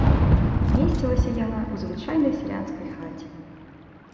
Месцілася яна ў звычайнай сялянскай хаце.